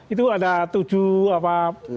itu ada tujuh apa